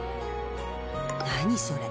「何それ？